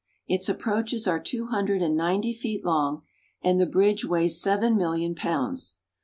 Its approaches are two hundred and ninety feet long, and the bridge weighs seven million pounds.